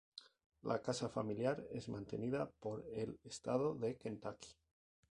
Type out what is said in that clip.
La casa familiar es mantenida por el estado de Kentucky.